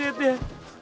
udah mati kali gue